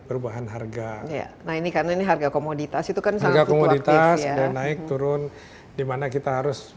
perubahan harga ya nah ini karena ini harga komoditas itu kan sangat berkualitas dan naik turun dimana kita harus